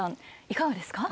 いかがですか？